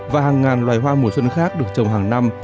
và hàng ngàn loài hoa mùa xuân khác được trồng hàng năm